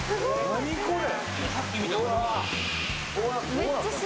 何これ？